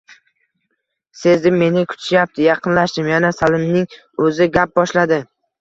Sezdim, meni kutishyapti. Yaqinlashdim. Yana Salimning oʻzi gap boshladi: